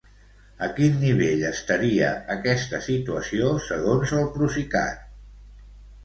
A quin nivell estaria aquesta situació segons el Procicat?